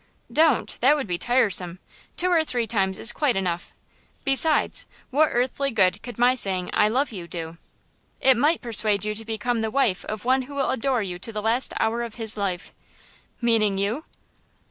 "Don't; that would be tiresome; two or three times is quite enough. Besides, what earthly good could my saying 'I love you' do?" "It might persuade you to become the wife of one who will adore you to the last hour of his life." "Meaning you?"